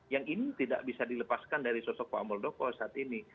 yang ini tidak bisa dilepaskan dari sosok pak muldoko saat ini